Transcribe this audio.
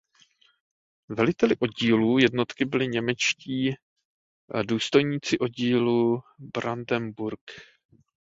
Veliteli oddílů jednotky byli němečtí důstojníci oddílů Brandenburg.